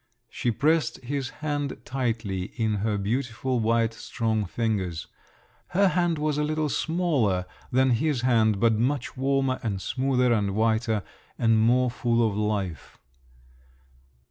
She pressed his hand tightly in her beautiful, white, strong fingers. Her hand was a little smaller than his hand, but much warmer and smoother and whiter and more full of life.